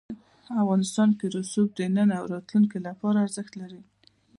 افغانستان کې رسوب د نن او راتلونکي لپاره ارزښت لري.